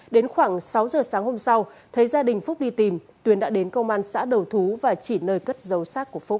đến khoảng sáu giờ sáng hôm sau thấy gia đình phúc đi tìm tuyến đã đến công an xã đầu thú và chỉ nơi cất giấu sát của phúc